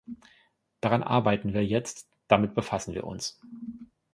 Daran arbeiten wir jetzt, damit befassen wir uns.